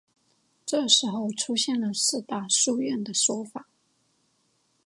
这时候出现了四大书院的说法。